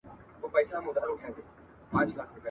لویه خدایه د پېړیو ویده بخت مو را بیدار کې !.